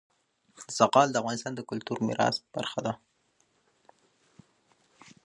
زغال د افغانستان د کلتوري میراث برخه ده.